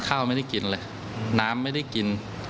ข้าวไม่ได้กินเลยน้ำไม่ได้กิน